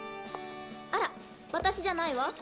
あら私じゃないわ。